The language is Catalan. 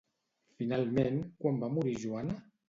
Finalment quan va morir Joana?